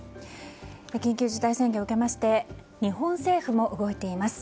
緊急事態宣言を受けまして日本政府も動いています。